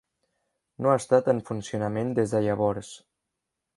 No ha estat en funcionament des de llavors.